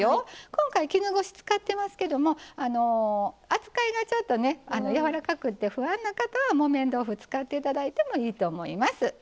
今回、絹ごし使ってますけど扱いが、ちょっとやわらかくて不安な方は木綿豆腐を使っていただいてもいいと思います。